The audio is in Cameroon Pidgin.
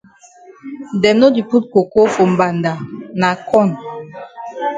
Dem no di put coco for mbanda na corn.